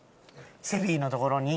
セフィのところに。